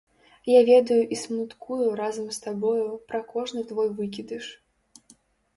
Я ведаю і смуткую разам з табою пра кожны твой выкідыш.